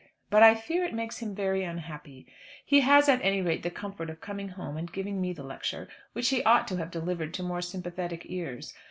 But I fear it makes him very unhappy. He has, at any rate, the comfort of coming home and giving me the lecture, which he ought to have delivered to more sympathetic ears.